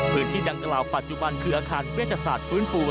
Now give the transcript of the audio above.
พื้นที่ดังกล่าวปัจจุบันคืออาคารเวชศาสตร์ฟื้นฟู